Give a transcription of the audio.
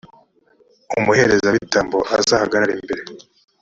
umuherezabitambo azahagarare imbere,